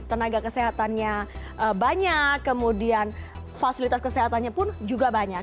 tenaga kesehatannya banyak kemudian fasilitas kesehatannya pun juga banyak